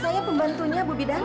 saya pembantunya bu bidang